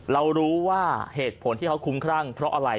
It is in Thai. เรารู้ว่าเหตุผลที่เขาคุ้มครั่งเพราะอะไร